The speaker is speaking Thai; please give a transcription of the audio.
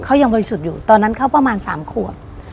เขายังบริสุทธิ์อยู่ตอนนั้นเขาประมาณ๓ขวบ